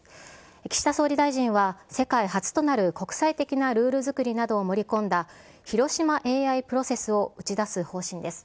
岸田総理大臣は世界初となる国際的なルール作りなどを盛り込んだ広島ＡＩプロセスを打ち出す方針です。